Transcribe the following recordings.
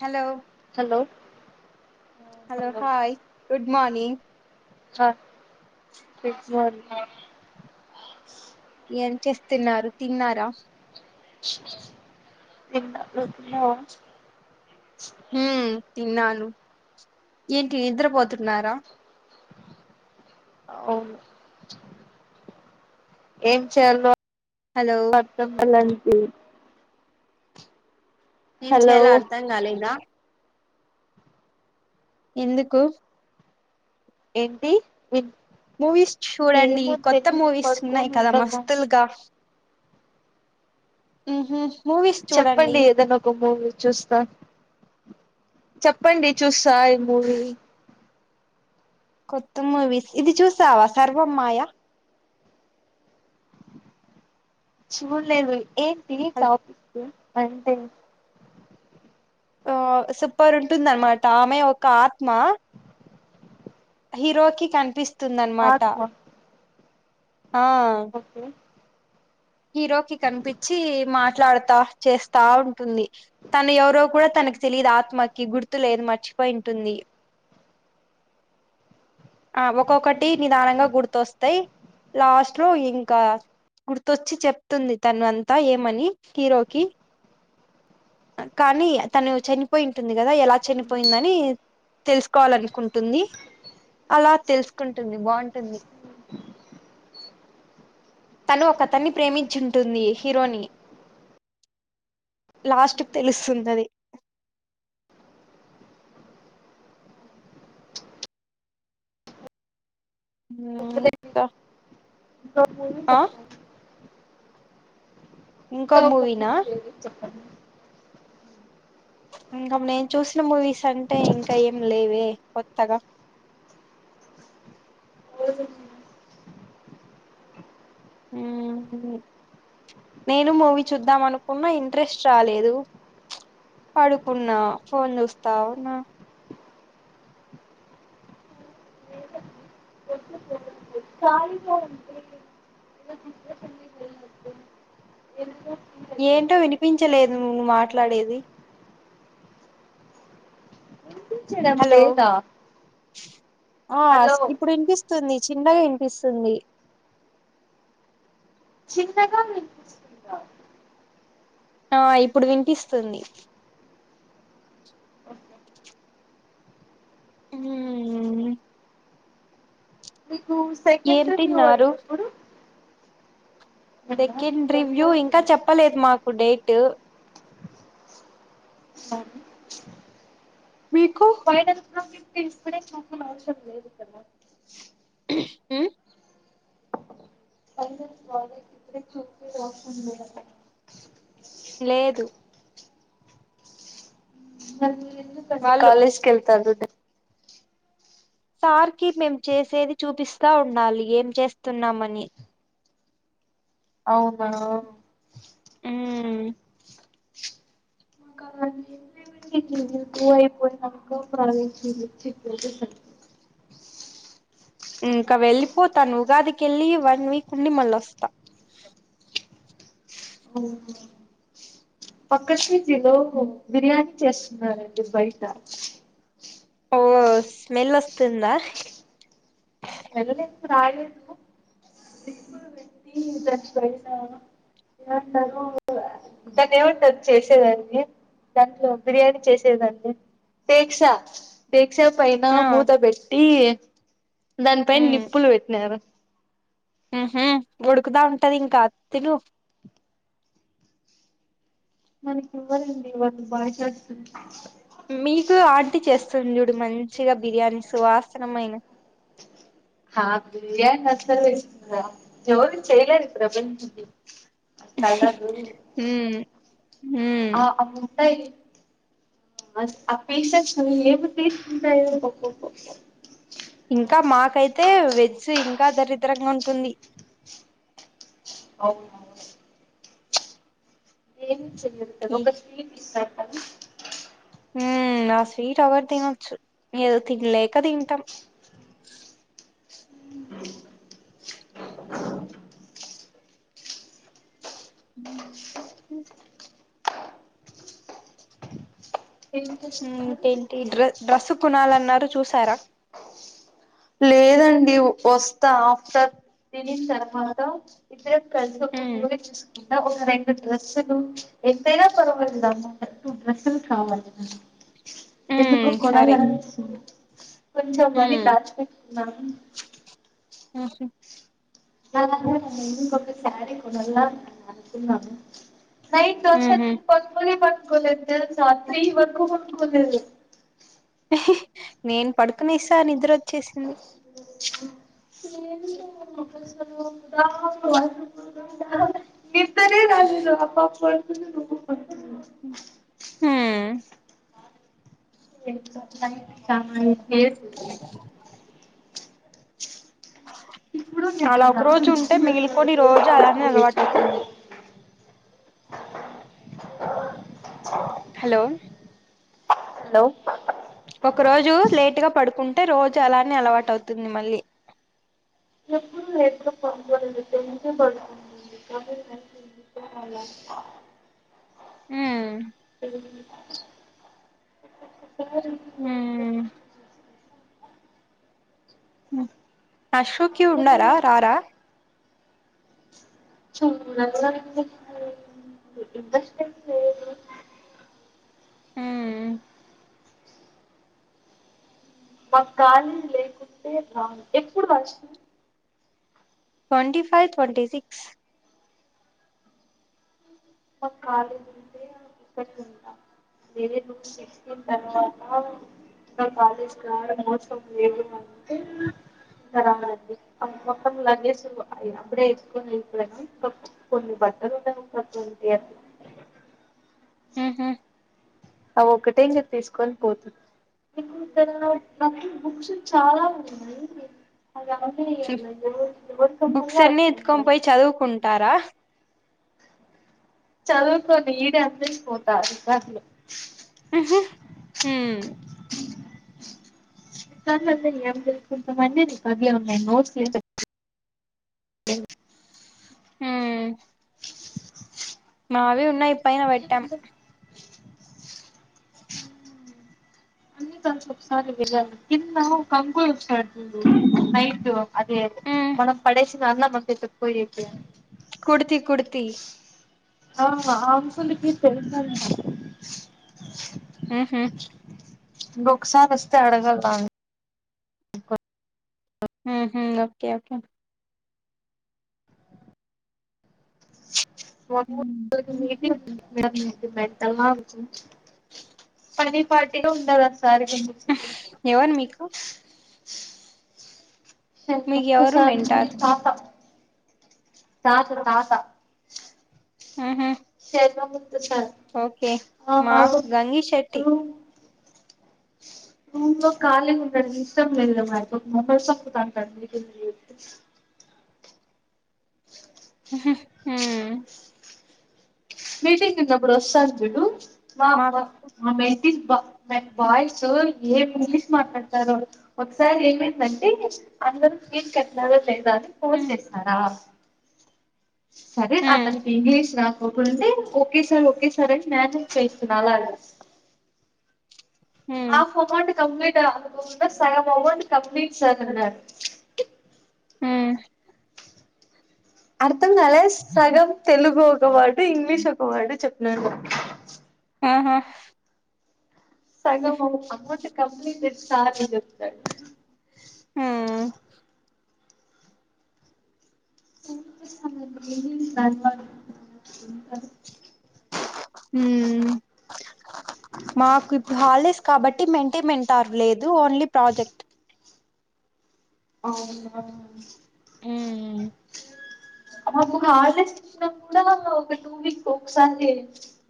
Hello hello hello hi good morning హ six morning ఏం చేస్తున్నారు తిన్నారా తిన్న నువ్ తిన్నవ ఉమ్ తిన్నాను ఏంటి నిద్రపోతున్నారా అవును ఏం చేయాలో హలో [unintelligible] ఎం హలో చేయాలో అర్థం కాలేదా ఎందుకు ఏంటి విన్ మూవీస్ చూడండి ఏమో కొత్త తెలీదు మూవీస్ ఉన్నాయి పడుకోని కదా ఉండగా మస్తులుగా ఉ హు చెప్పండి ఎదన్న ఒక మూవీ చూస్తా చెప్పండి చూస్ థాయ్ ముూవి కొత్త మూవీస్ ఇది చూసావా సర్వమ్మాయా చూడలేదు ఏంటి టాపిక్ కొంటె ఆ సూపర్ ఉంటుందనమాట ఆమె ఒక ఆత్మ హీరోకి కనిపిస్తుందనమాట ఆత్మ ఆ ఓకే హీరో కి కనిపిచి మా మాట్లాడుతా చేస్తా ఉంటుంది తను ఎవరో కూడా తనకు తెలీద్ ఆత్మ కి గుర్తు లేదు మర్చిపోయింటుంది ఆ ఒక్కొక్కటి నిదానంగా గుర్తొస్తాయి లాస్ట్ లో ఇంకా గుర్ తొచ్చి చెప్తుంది తను అంతా ఏమని హీరోకి కానీ తను చనిపోయింటుంది కదా ఎలా చనిపోయిందని తెలుసుకోవాలనుకుంటుంది అలా తెలుసుకుంటుంది బాగుంటుంది తను ఒకతన్ని ప్రేమించుంటుంది హీరోని లాస్ట్క్ తెలుస్తుందది ము ఇంకా ఇంకో మూవీ ఆ సప్త ఇంకో ఇంకా ఒక మూవీనా మూవీ ఏది చెప్పండి ఇంకా నేను చూసిన మూవీస్ అంటే ఇంకా ఏం లేవే కొత్తగా చెప్పండి ఉమ్ నేను మూవీ చూద్దాం అనుకున్నా ఇంట్రెస్ట్ రాలేదు పడుకున్నా ఫోన్ చూస్తావున్నా కాలిగ ఉంటే ఏదో డిప్రెషన్కి వెళ్ళొద్దు ఏదైనా ఫీల్ అయిపోతుంది ఏంటో వినిపించలేదు నువ్వు మాట్లాడేది వినిపించడం హలో లేదా ఆ హలో స్ ఇప్పుడు వినిపిస్తుంది చిన్నగా ఇనిపిస్తుంది చిన్నగా వినిపిస్తుందా ఆ ఇప్పుడు వినిపిస్తుంది ఓకే ఊమ్ టు ఏం సెకండ్ రివ్యూ ఆ తిన్నారు ఎప్పుడు సెకండ్ రివ్యూ తొందరగా ఇంకా చెప్పలేదు మాకు డేటు ఆ మీక్ [unintelligible] అసరం లేదు కదా హు మ్ [unintelligible] లేదు మరి మీరు ఎందుకండి వాళ్ళు కాలేజ్ కెళ్తారు. సార్కి మేము చేసేది చూపిస్తా ఉండాలి ఏం చేస్తున్నామని అవునా మ్మ్మ్ మాకు అలాంటి [unintelligible] ఇంకా వెళ్ళిపోతాను ఉగాదికెళ్ళి వన్ వీక్ ఉండి మళ్ళోస్తా అవునా పక్కషిజిలో బిర్యానీ చేస్తున్నారండి బయట ఓ స్మెళ్ళోస్తుందా వెళ్ళలేదు రాలేదు ఇప్పుడు దన్నేమంటరు చేసేదాన్ని దాంట్లో బిర్యానీ చేసేదండి టేక్సా టేక్ క్షపైనా ఆ మూతబెట్టి దానిపైనిప్పులు పెట్టినరు మ్ హు ఉడుకుతా ఉంటది ఇంకా తిను మనకి ఇవ్వరండి ఇవాళ్ళు బాయిస్ హాస్టల్ మీకు ఆంటీ చేస్తుంది చూడు మం చిగా బిర్యానీ సువాసనమైన హా బిర్యానీ అసలు [unintelligible] ఎవరు చేయలేరు ఈ ప్రపంచంలో కళదు ఉమ్ ఉమ్ ఆ ఆవుంటయ్ స ఆ పీసేస్ ఏమి పీసులుంటయ్ కో కో కో ఇంకా మాకైతే వెజ్ ఇంకా దరిద్రంగా ఉంటుంది అవునా ఏమి చేయరు కద ఈ, ఒక స్వీట్ ఇస్తారు కాని హు మ్ ఆ స్వీట్ ఎవరు తినొచ్చు ఏదో తినలేక తింటాం ఏం హుమ్ చేస్తున్నారు తింటి డ్రె డ్రెస్సు కొనాలన్నారు చూసారా లేదండి వస్తా ఆఫ్టర్ తినిన్ తర్వాత ఇద్దరం ఉమ్ [unintelligible] ఒక రెండు డ్రెస్సులు ఎంతైనా పర్వాలేదు అమౌంట్ టు డ్రెస్సులు కావాలి మ ఎందుకో సరే కొనాలిపిస్తుంది కొంచెం మనీ ఉమ్ దాచిపె నం ఆహ [unintelligible] ఇంకొక్క సారి కొనాలా అనుకుంటున్నాను. నై ఉహు దోసని పడిపోన్ పడిపోన్ కొలేదు తెల్సా త్రీ పడుకోలేదు నేను పడుకునేసా నిద్ర ఓచ్చేసింది [unintelligible] మీతనే [unintelligible] ఉమ్మ్ [unintelligible] ఇప్పుడు అలా చెప్పలేదు ఒక నాక్, రోజు ఉంటే మిగిలికొని రోజు అలానే అలవాటు అవుతుంది హలో హలో ఒక రోజు లేటుగా పడుకుంటే రోజు అలానే అలవాటు అవుతుంది మళ్ళీ. ఎప్పుడు లేటుగా పడుకోలేదు, టెన్ కె పాడుకుంటది. అలా, ఓహో ఉమ్ సార్ ఈ, ఉమ్ అశ్వుక్యు ఉన్నారా రారా చూడాలండి ఇంట్రెస్ట్ ఏం లేదు ఉమ్మ్ మా కాలి లేకుంటే రాను ఎప్పుడు function, twenty five, twenty six. నక్ కాలి ఉంటే అ తీసుకాచుకుంట వేరే బుక్స్ తెచ్చుకున్ తర్వత మా కాలేజీ రావడం అవసరం లేదు అంటే తరాలది మొత్తం లాజిగ్వేజ్ ఆ అపుడే ఏసుకొని వేలిపోయినాం బట్ కోన్ అక్కడే టైం పట్ ఉహు ఆ ఒక్కటే ఇంక తీసుకొని పోతున్ ఎందుకు అలా నాకు బుక్స్ చాలా ఉన్నాయి. అది రాట్లే ఎవరితో ఉండాలో బుక్స్ అన్ని అర్ధం ఎత్తుకొని కాదు పోయి చదువుకుంటారా చదువుకోనీ ఈడే ఆమెసిపోత రికార్డులు ఉహు ఉమ్మ్ కాని నన్ను ఏంచేస్తుంటాం కొంతమంది రికార్డులు మే నోట్స్ ఎన్ ఉమ్ నావి ఉన్నాయి పైన పెట్టాం ఒక్కసారి వెళ్ళాను కింద ఒక అంకుల్ ఉంటారు నైట్ అదే అదే హ్మ్ మనం పడేసిన అన్నం అంత ఎత్తుకుపోయేకి కుడితి కుడితి ఆ అ అంకుల్ కి తెల్సంట ఉమ్ హు ఇంకోసారి వస్తే అడగాలిడ్ ఉమ్ హు ఓకే ఓకే మాకేమో రోజు ఉహు. మీటింగ్ ఉందీ మెంటలా పనిపాట్టే ఉన్నడదు అస్సలు సార్క్ ఎందుకు చెపు ఎవరు మీకు షె మీకు ఎవరు కొత్తసార్ కీ మెంటార్ పాప తాత తాత హు హు సర్వమూర్తి సార్ ఆ మాకు గంగి శెట్టి రూ రూమ్ లో కలిగ ఉండడం ఇష్టం లేదురా [unintelligible] బ్లాంక్ బ్లాంక్ హు హుమ్ మీటింగ్ ఉన్నపుడు వస్తామ్ చుడు మా బ మాకు మా మటింగ్ బ మె బాయ్స్సు ఏమ్ ఇంగ్లీష్ మాట్లాడతారో ఒకసారి ఏమైందంటే అందరు ఫీజ్ కట్టినా తెల్లారి ఫోన్ హ్మ్ చేస్నారా సరే హ్మ్ అతనికి ఇంగ్లీష్ రాకో ఉంటే ఓకే సార్ ఓకే సార్ అని మ్యానేజ్ చేయచ్చు నాలాగా ఆ హ్మ్ ఫోమండి కంప్లీట్ అ అనుకుంటే సగఅమౌంట్ కంప్లీట్ సర్ అని అన్నారు హ్మ్ అర్థం కాలే సగం తెలుగు ఒక వర్డు ఇంగ్లీష్ ఒక వర్డు చెప్ నను అహా సగమ అమౌంట్ కంప్లీట్టెడ్ సార్ అని అన్నాడు ఉ [unintelligible] హ్మ్ మాకు ఇప్పుడు హల్ డేస్ కాబట్టి మెయింటైన్మెంటారు లేదు ఓన్లీ ప్రాజెక్ట్ అవునా బ్లాంక్ మాకు హాలీడేస్ ఇచ్చిన కూడా ఒక టూ వీక్ ఒకసారి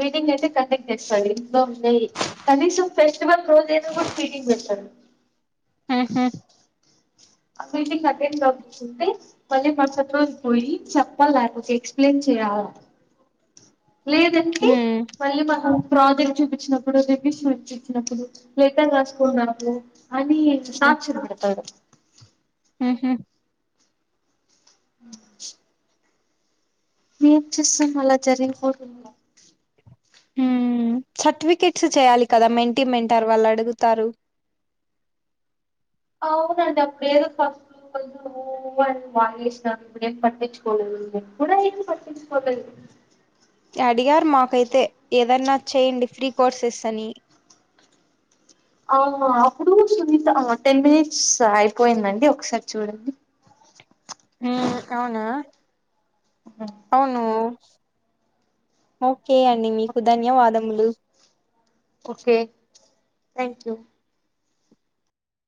మీటింగ్ అయితే కండక్ట్ చేస్తా ఇంట్లో ఉన్నాయి కనీసం ఫెస్టివల్ రోజయినా కూడా మీటింగ్ పెడతాడు ఉహు ఆ మీటింగ్ అటెండ్ కాకోకుంటే మళ్ళీ మరుసటి రోజు పోయి చెప్పాలి లేకపోతే ఎక్స్ప్లెయిన్ చేయాలి ఆ బ్లాంక్ లేదంటే మళ్ళీ మహా ప్రాజెక్ట్ చూపించినప్పుడు రివ్యూ షీట్స్ ఇచినప్పుడు లేటర్ రాసుకొనిరాపో అని సాక్షులు పెడతాడు ఉహ్ బ్లాంక్ ఏం చెస్తాం అలా జరిగిపోతుంది ఉమ్ సర్టిఫికెట్స్ చేయాలి కదా మెంటి మెంటర్ వాళ్ళు అడుగుతారు బ్లాంక్ అవున అండి అప్పుడేదో కాఓవర్ బాగ చేశినా ఇప్పుడేమ్ పట్టిించుకోలేదు నువ్ ఎప్పుడు ఆయన్ని పట్టిించుకోలేదు అడిగారు మాకైతే ఏదన్నా చేయండి ఫ్రీ కోర్సెస్ అని ఆ అప్పుడు సునీత టెన్ మినిట్స్ అయిపోయిందండి ఒకసారి చూడండి అవును ఓకే అండి మీకు ధన్యవాదములు ఓకే థ్యాంక్ యూ